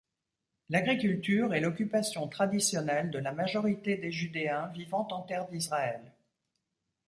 L'agriculture est l'occupation traditionnelle de la majorité des Judéens vivant en terre d'Israël.